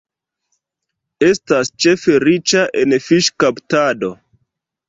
Estas ĉefe riĉa en fiŝkaptado.